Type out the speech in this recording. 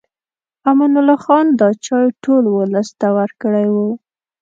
امان الله خان دا چای ټول ولس ته ورکړی و.